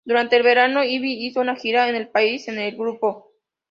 Durante el verano, Ivi hizo una gira en el país con el grupo.